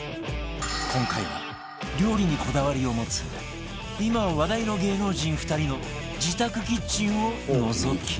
今回は料理にこだわりを持つ今話題の芸能人２人の自宅キッチンをのぞき見